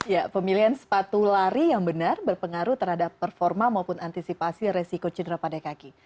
ya pemilihan sepatu lari yang benar berpengaruh terhadap performa maupun antisipasi resiko cedera pada kaki